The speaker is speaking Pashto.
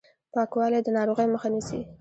پاکوالی د ناروغیو مخه نیسي